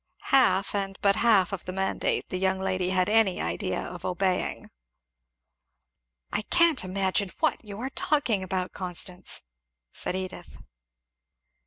Half and but half of the mandate the young lady had any idea of obeying. "I can't imagine what you are talking about, Constance!" said Edith.